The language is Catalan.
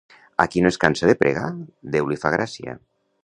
A qui no es cansa de pregar, Déu li fa gràcia.